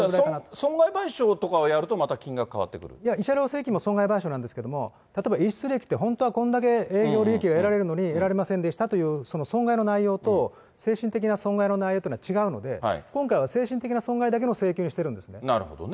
損害賠償とかをやると、いや、慰謝料請求も損害賠償なんですけれども、逸失利益って、本当はこんだけ営業利益が得られるのに得られませんでしたというその損害の内容と、精神的な損害の内容っていうのは、違うので、今回は精神的な損害だなるほどね。